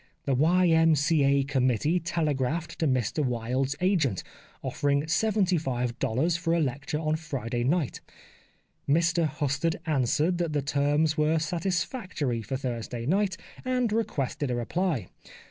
The Y.M.C.A. com mittee telegraphed to Mr Wilde's agent, offering $75 for a lecture on Friday night. Mr Husted answered that the terms were satisfactory for Thursday night, and requested a reply.